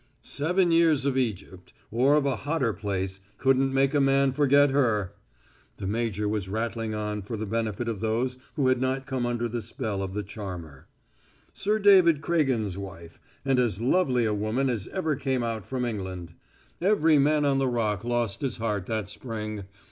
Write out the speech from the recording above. "Seven years of Egypt or of a hotter place couldn't make a man forget her!" The major was rattling on for the benefit of those who had not come under the spell of the charmer. "Sir David Craigen's wife, and as lovely a woman as ever came out from England. Every man on the Rock lost his heart that spring.